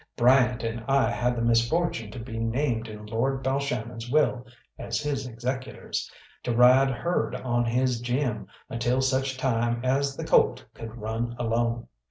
Bryant and I had the misfortune to be named in Lord Balshannon's will as his executors, to ride herd on his Jim until such time as the colt could run alone.